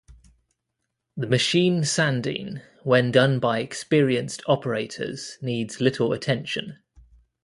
The machine sanding, when done by experienced operators, needs little attention.